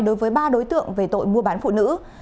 đối với ba đối tượng về tội mua bán phụ nữ